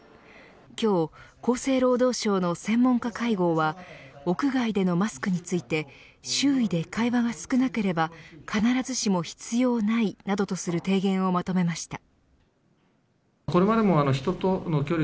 今日、厚生労働省の専門家会合は屋外でのマスクについて周囲で会話が少なければ必ずしも必要ない、などとする提言をまとめました。